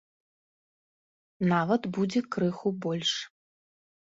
Нават будзе крыху больш.